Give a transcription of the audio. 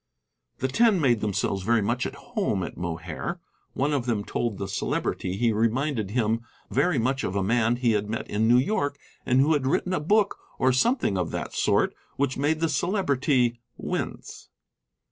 The Ten made themselves very much at home at Mohair. One of them told the Celebrity he reminded him very much of a man he had met in New York and who had written a book, or something of that sort, which made the Celebrity wince.